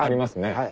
はい。